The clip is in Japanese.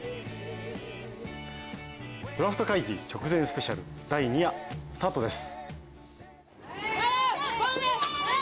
ドラフト会議直前ＳＰ第２夜、スタートです。